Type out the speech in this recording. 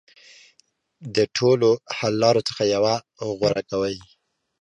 د ټولو حل لارو څخه یوه غوره کوي.